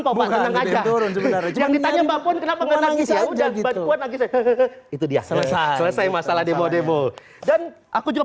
yang ditanya mbak puan kenapa nangis ya udah itu dia selesai masalah demo demo dan aku juga